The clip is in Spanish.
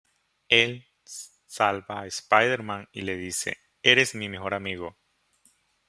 Él salva a Spider-Man y le dice: "Eres mi mejor amigo".